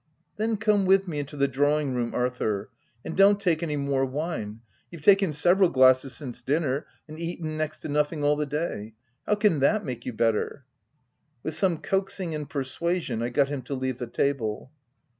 "Then come with me into the drawing room, Arthur; and don't take any more wine; you have taken several glasses since dinner, and eaten next to nothing all the day. How can that make you better V 9 With some coaxing and persuasion, I got him to leave the table.